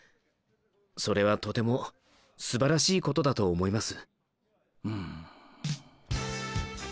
それはとてもすばらしいことだと思います。」）